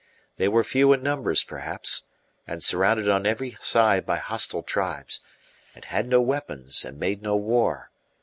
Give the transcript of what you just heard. They were few in number, perhaps, and surrounded on every side by hostile tribes, and had no weapons, and made no war.